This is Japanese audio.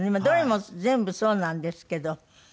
どれも全部そうなんですけど。